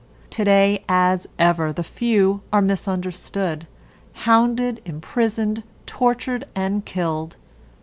Today, as ever, the few are misunderstood, hounded, imprisoned, tortured, and killed.